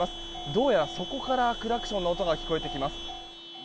どうやらそこからクラクションの音が聞こえてきます。